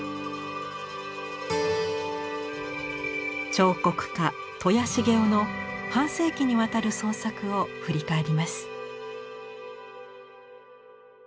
彫刻家戸谷成雄の半世紀にわたる創作を振り返ります。